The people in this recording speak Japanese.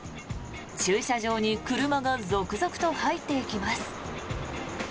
駐車場に車が続々と入っていきます。